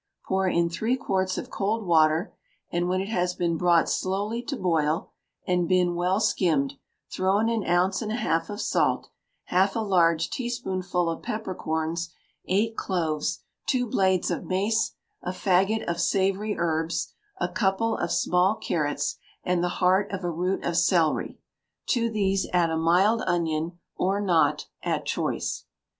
Pour in three quarts of cold water, and when it has been brought slowly to boil, and been well skimmed, throw in an ounce and a half of salt, half a large teaspoonful of peppercorns, eight cloves, two blades of mace, a faggot of savoury herbs, a couple of small carrots, and the heart of a root of celery; to these add a mild onion or not, at choice.